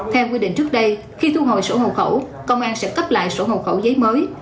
theo quy định trước đây khi thu hồi sổ hộ khẩu công an sẽ cấp lại sổ hộ khẩu giấy mới